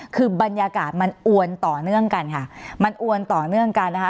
คือบรรยากาศมันอวนต่อเนื่องกันค่ะมันอวนต่อเนื่องกันนะคะ